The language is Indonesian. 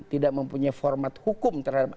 tidak mempunyai format hukum terhadap